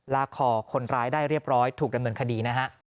ลากคอคนร้ายได้เรียบร้อยถูกดำเนินคดีนะฮะ